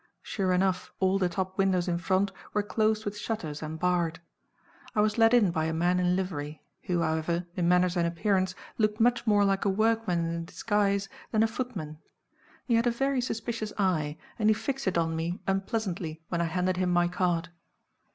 Sure enough all the top windows in front were closed with shutters and barred. I was let in by a man in livery; who, however, in manners and appearance, looked much more like a workman in disguise than a footman. He had a very suspicious eye, and he fixed it on me unpleasantly when I handed him my card.